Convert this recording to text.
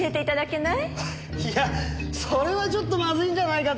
いやそれはちょっとまずいんじゃないかと。